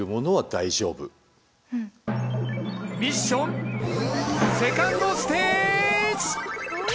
ミッションセカンドステージ。